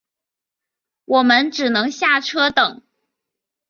我们只能下车等